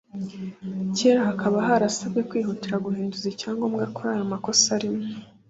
kera hakaba harasabwe kwihutira guhinduza icyangombwa kuri ayomakosa arimo.